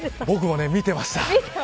僕も見ていました。